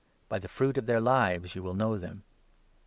By the fruit of their lives you will know them.